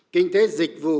kinh tế dịch vụ